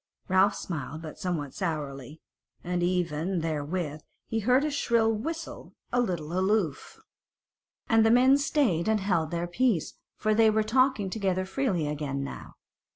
Ralph smiled, but somewhat sourly, and even therewith he heard a shrill whistle a little aloof, and the men stayed and held their peace, for they were talking together freely again now.